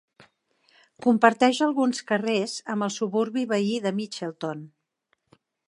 Comparteix alguns carrers amb el suburbi veí de Mitchelton.